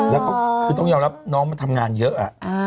แล้วก็ต้องยอดรับกิโลกรณีมาทำงานเยอะ